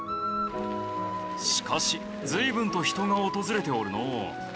しかし随分と人が訪れておるのう。